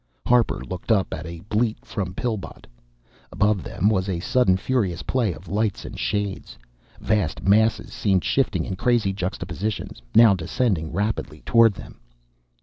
Harper looked up at a bleat from Pillbot. Above them was a sudden furious play of lights and shades. Vast masses seemed shifting in crazy juxtapositions, now descending rapidly toward them.